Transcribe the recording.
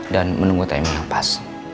dan menunggu tanya tanya yang pas